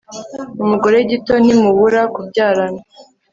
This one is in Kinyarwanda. umugore gito ntimubura kubyarana